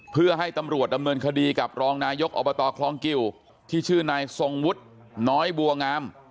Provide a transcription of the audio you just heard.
เพื่อให้ตำรวจดำเนินคดีกับรองนายกอบตคลองกิวที่ชื่อนายทรงวุฒิน้อยบัวงาม